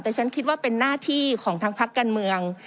แต่ฉันคิดว่าเป็นหน้าที่ของทางพักการเมือง